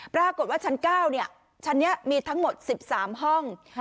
ปรากฏว่าชั้น๙ชั้นนี้มีทั้งหมด๑๓ห้อง